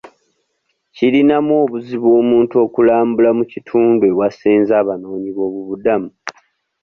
Kirinamu obuzibu omuntu okulambula mu kitundu ewasenze abanoonyi b'obubuddamu.